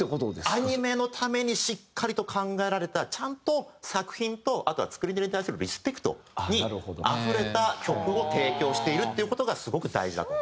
アニメのためにしっかりと考えられたちゃんと作品とあとは作り手に対するリスペクトにあふれた曲を提供しているっていう事がすごく大事だと。